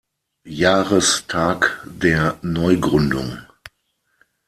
Jahrestag der Neugründung.